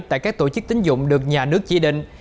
tại các tổ chức tính dụng được nhà nước chỉ định